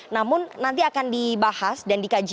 namun nanti akan dibahas dan dikaji